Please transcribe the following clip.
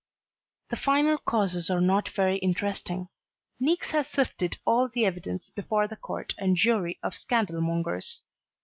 The final causes are not very interesting. Niecks has sifted all the evidence before the court and jury of scandal mongers.